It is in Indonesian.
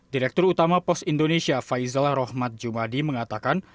direktur utama pos indonesia faizal rohmat jumadi mengatakan